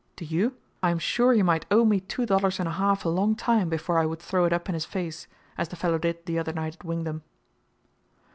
Do you? I am sure he might owe me two dollars and a half a long time, before I would throw it up in his face, as the fellow did the other night at Wingdam."